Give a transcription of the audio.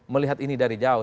melihat ini dari jauh